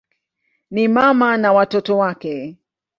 Ni mama na watoto wake.